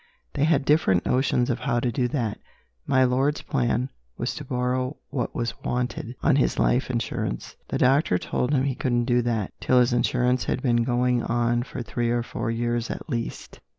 They had different notions of how to do that. My lord's plan was to borrow what was wanted, on his life insurance. The doctor told him he couldn't do that, till his insurance had been going on for three or four years at least.